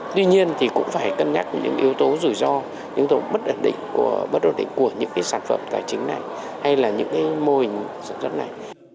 tuy nhiên thì cũng phải cân nhắc những yếu tố rủi ro những tổng bất ẩn định của những sản phẩm tài chính này hay là những mô hình sản xuất này